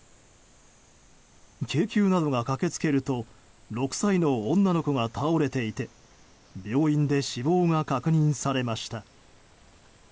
救急などが駆け付けると６歳の女の子が倒れていて病院で死亡が確認されました。